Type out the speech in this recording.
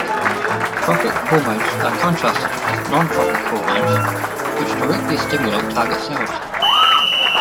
Tropic hormones are contrasted with non-tropic hormones, which directly stimulate target cells.